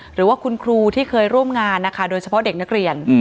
หรือว่าคุณครูที่เคยร่วมงานนะคะโดยเฉพาะเด็กนักเรียน